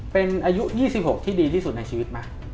เป็นอายุ๒๖ที่ดีที่สุดในชีวิตไหม